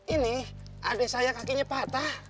ini adik saya kakinya patah